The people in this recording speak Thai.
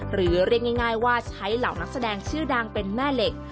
เรียกง่ายว่าใช้เหล่านักแสดงชื่อดังเป็นแม่เหล็ก